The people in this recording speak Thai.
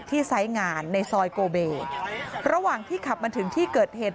ไซส์งานในซอยโกเบระหว่างที่ขับมาถึงที่เกิดเหตุ